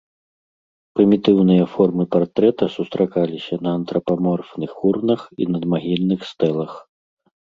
Прымітыўныя формы партрэта сустракаліся на антрапаморфных урнах і надмагільных стэлах.